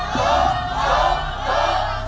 ถูก